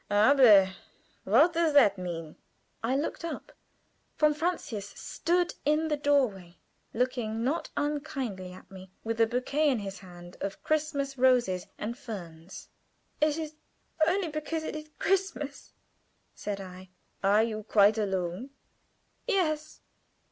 Aber what does that mean?" I looked up. Von Francius stood in the door way, looking not unkindly at me, with a bouquet in his hand of Christmas roses and ferns. "It is only because it is Christmas," said I. "Are you quite alone?" "Yes."